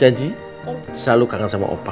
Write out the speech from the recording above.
gaji selalu kangen sama opa